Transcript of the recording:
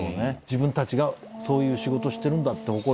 自分たちがそういう仕事してるんだって。